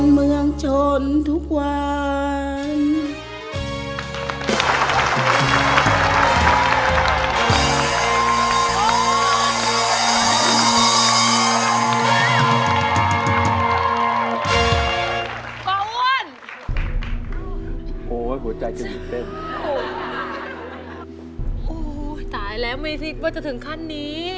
เมืองชนทุกวัน